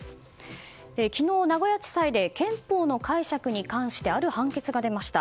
昨日、名古屋地裁で憲法の解釈に関してある判決が出ました。